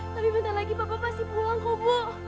tapi bentar lagi bapak pasti pulang kok ibu